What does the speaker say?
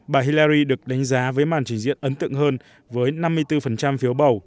bà hillary được đánh giá với màn trình diễn ấn tượng hơn với năm mươi bốn phiếu bầu